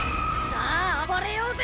さあ暴れようぜ。